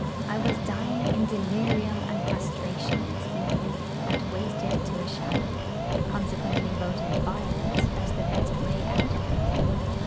I was dying in delirium and prostration, simply, and wasted to a shadow; consequently voted 'violent,' as the best way out of it.